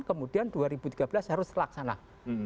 kemudian dua ribu tiga belas harus terlaksana